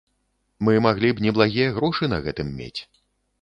Мы маглі б неблагія грошы на гэтым мець.